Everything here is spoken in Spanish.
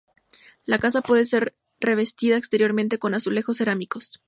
La casa puede ser revestida exteriormente con azulejos cerámicos.